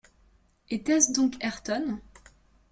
Était-ce donc Ayrton